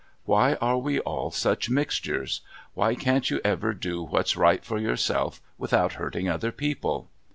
Why are we all such mixtures? Why can't you ever do what's right for yourself without hurting other people?